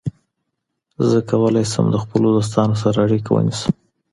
زه کولای شم د خپلو دوستانو سره اړیکه ونیسم.